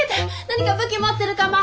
何か武器持ってるかも。